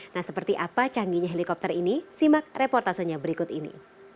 nah seperti apa canggihnya helikopter ini simak reportasenya berikut ini